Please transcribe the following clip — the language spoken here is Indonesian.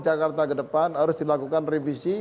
jakarta ke depan harus dilakukan revisi